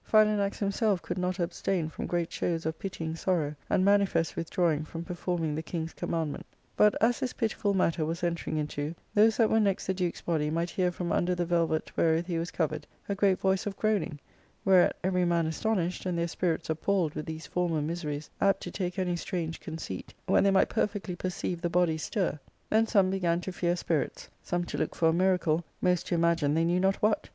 Philanax himself could not abstain from great shows of pitying sorrow, and manifest withdrawing from performing the king's commandment. But, as this pitiful matter was entering into, those that were next the duke's* body might hear from under the velvet wherewith he was covered a great voice of groaning, whereat every man astonished, and their spirits appalled with these former miseries, apt to take any strange conceit, when they might perfectly perceive the body stir, then some began to * Duke, here, means the king — dtix, reigning sovereign. The word is constantly so used by Shakespeare. ARCADIA,— Book V. 473 fear spirits, some to look for a miracle, most to imagine they knew not what.